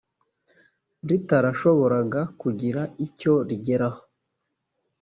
ritarashoboraga kugira icyo rigeraho